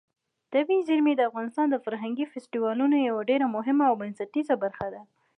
طبیعي زیرمې د افغانستان د فرهنګي فستیوالونو یوه ډېره مهمه او بنسټیزه برخه ده.